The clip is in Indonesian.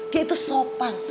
dia itu sopan